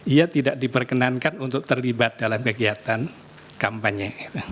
ia tidak diperkenankan untuk terlibat dalam kegiatan kampanye